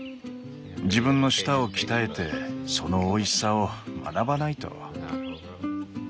自分の舌を鍛えてそのおいしさを学ばないと。